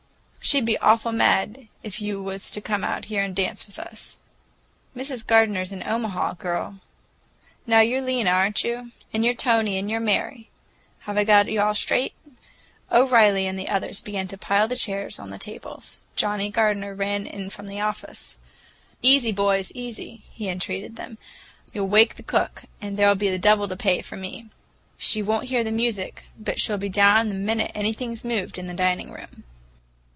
"She'd be awful mad if you was to come out here and dance with us." "Mrs. Gardener's in Omaha, girl. Now, you're Lena, are you?—and you're Tony and you're Mary. Have I got you all straight?" O'Reilly and the others began to pile the chairs on the tables. Johnnie Gardener ran in from the office. "Easy, boys, easy!" he entreated them. "You'll wake the cook, and there'll be the devil to pay for me. She won't hear the music, but she'll be down the minute anything's moved in the dining room."